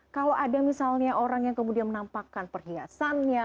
kalau ada misalnya orang yang kemudian menampakkan perhiasannya